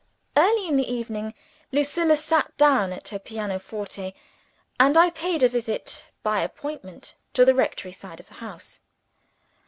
Early in the evening, Lucilla sat down at her pianoforte; and I paid a visit by appointment to the rectory side of the house.